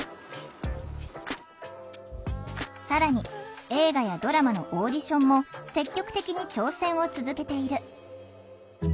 更に映画やドラマのオーディションも積極的に挑戦を続けている。